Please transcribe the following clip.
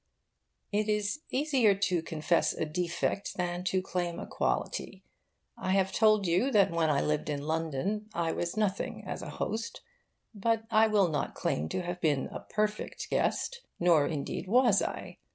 It is easier to confess a defect than to claim a quality. I have told you that when I lived in London I was nothing as a host; but I will not claim to have been a perfect guest. Nor indeed was I.